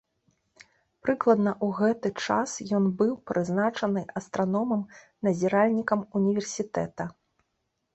Прыкладна ў гэты час ён быў прызначаны астраномам-назіральнікам універсітэта.